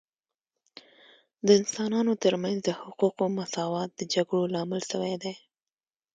د انسانانو ترمنځ د حقوقو مساوات د جګړو لامل سوی دی